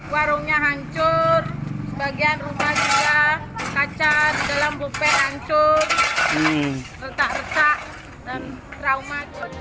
warungnya hancur sebagian rumah juga kaca di dalam bupe hancur retak retak dan trauma